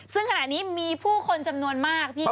ซึ่งขณะนี้มีผู้คนจำนวนมากพี่